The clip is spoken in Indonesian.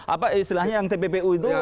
apa istilahnya yang tppu itu